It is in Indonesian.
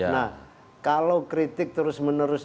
nah kalau kritik terus menerus